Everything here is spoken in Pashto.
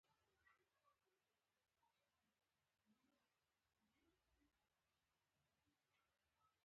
د راتلونکو څیړونکو د ګمراهۍ سبب شي.